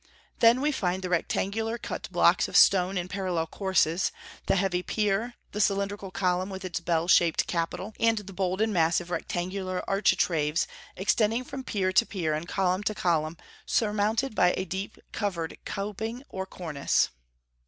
Then we find the rectangular cut blocks of stone in parallel courses, the heavy pier, the cylindrical column with its bell shaped capital, and the bold and massive rectangular architraves extending from pier to pier and column to column, surmounted by a deep covered coping or cornice.